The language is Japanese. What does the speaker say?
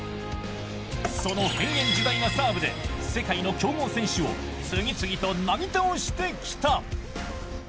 その変幻自在なサーブで、世界の強豪選手を次々となぎ倒してきた。